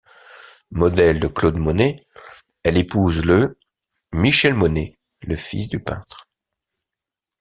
Modèle de Claude Monet, elle épouse le Michel Monet, le fils du peintre.